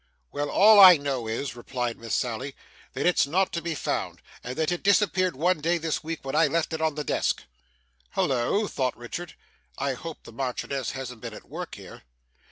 'Well, all I know is,' replied Miss Sally, 'that it's not to be found, and that it disappeared one day this week, when I left it on the desk.' 'Halloa!' thought Richard, 'I hope the Marchioness hasn't been at work here.